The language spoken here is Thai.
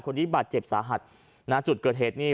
คนนี้บาดเจ็บสาหัสนะจุดเกิดเหตุนี่